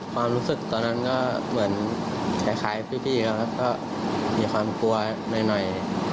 ความรู้สึกตอนนั้นก็เหมือนคล้ายพี่ครับก็มีความกลัวหน่อย